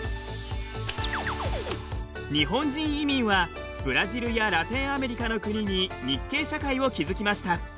日本人移民はブラジルやラテンアメリカの国に日系社会を築きました。